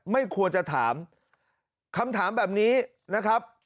ไม่ควรจะถามคำถามแบบนี้นะครับ